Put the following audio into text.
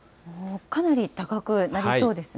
かなり高くなりそうですね。